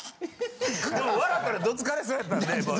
でも笑ったらどつかれそうやったんでもう。